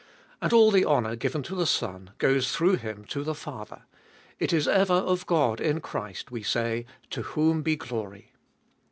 And all the honour given to the Son, goes through Him to the Father. It is ever of God in Christ we say, To whom be glory.